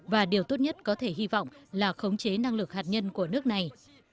và điều tốt nhất có thể hy vọng là khống chế năng lực hạt nhân của nước này